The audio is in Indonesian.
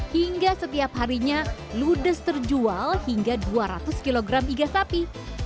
hingga setiap harinya ludes terjual hingga dua ratus kg iga sapi